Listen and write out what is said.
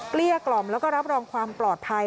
เกลี้ยกล่อมแล้วก็รับรองความปลอดภัย